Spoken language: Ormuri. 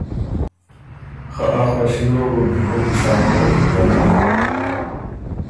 خه آ خوشي وه بو بی کوک کی شامَوک ګه نک۔